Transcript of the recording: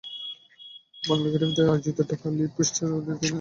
বাংলা একাডেমিতে আয়োজিত ঢাকা লিট ফেস্টের দ্বিতীয় দিনে আলোচিত হলো এসব প্রসঙ্গই।